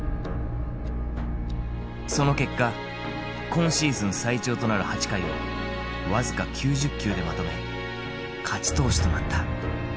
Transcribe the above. その結果今シーズン最長となる８回を僅か９０球でまとめ勝ち投手となった。